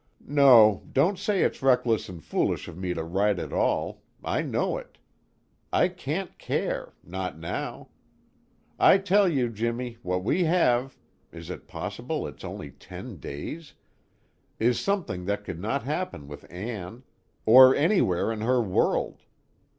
"No, don't say it's reckless and foolish of me to write at all I know it. I can't care, not now. I tell you, Jimmy, what we have (is it possible it's only ten days?) is something that could not happen with Ann. Or anywhere in her world.